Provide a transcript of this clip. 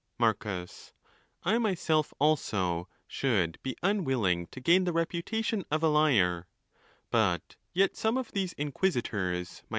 Mareus.—I myself, also, should be unwilling to gain the reputation of a liar, But 'yet some of these inquisitors, my 400 * ON THE LAWS.